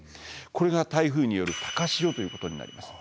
これが台風による高潮ということになります。